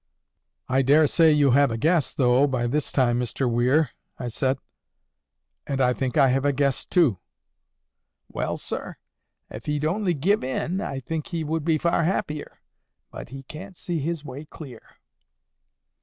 "I dare say you have a guess though, by this time, Mr. Weir," I said; "and I think I have a guess too." "Well, sir, if he'd only give in, I think he would be far happier. But he can't see his way clear."